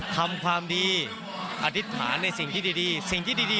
ทำความดีอธิษฐานในสิ่งที่ดี